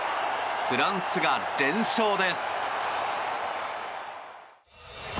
フランスが連勝です。